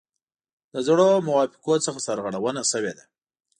د زړو موافقو څخه سرغړونه شوې ده.